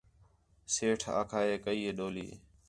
سیٹھ آکھا ہِے کہی ڈولی